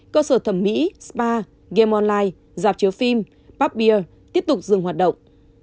cơ sở thẩm mỹ spa game online dạp chứa phim bắp bia tiếp tục dừng hoạt động